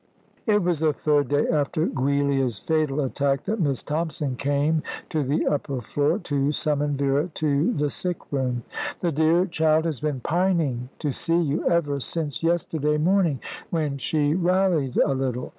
It was the third day after Giulia's fatal attack that Miss Thompson came to the upper floor to summon Vera to the sick room. "The dear child has been pining to see you ever since yesterday morning, when she rallied a little.